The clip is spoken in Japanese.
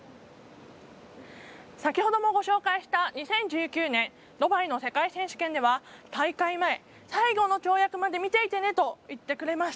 先ほどもご紹介した、２０１９年ドバイの世界選手権では大会前、最後の跳躍まで見ていてねと言ってくれました。